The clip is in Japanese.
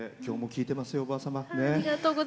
きょうも聴いてますよ